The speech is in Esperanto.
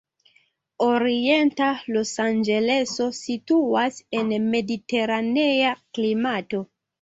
Orienta Losanĝeleso situas en mediteranea klimato.